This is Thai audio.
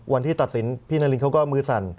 วันที่ตัดสินพี่นารินเขาก็มือสั่น